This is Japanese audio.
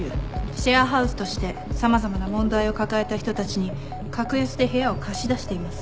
シェアハウスとして様々な問題を抱えた人たちに格安で部屋を貸し出しています。